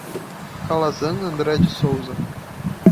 Calazam André de Sousa